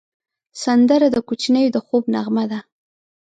سندره د کوچنیو د خوب نغمه ده